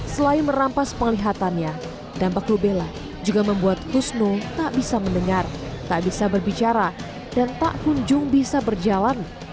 selain merampas penglihatannya dampak rubella juga membuat kusno tak bisa mendengar tak bisa berbicara dan tak kunjung bisa berjalan